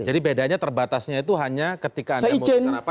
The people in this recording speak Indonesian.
jadi bedanya terbatasnya itu hanya ketika anda mau menangani apa